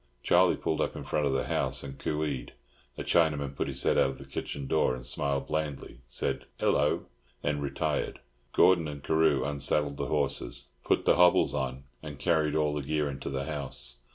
Charlie pulled up in front of the house, and cooeed. A Chinaman put his head out of the kitchen door, smiled blandly, said "'Ello!" and retired. Gordon and Carew unsaddled the horses, put the hobbles on, and carried all the gear into the house.